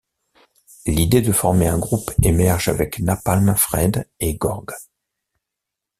L'idée de former un groupe émerge avec Napalm Fred et Gorg.